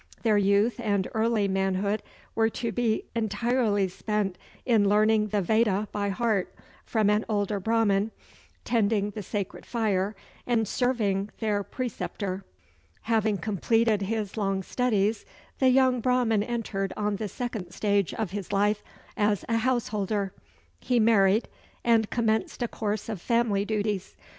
Their youth and early manhood were to be entirely spent in learning the Veda by heart from an older Brahman, tending the sacred fire, and serving their preceptor. Having completed his long studies, the young Brahman entered on the second stage of his life, as a householder. He married, and commenced a course of family duties.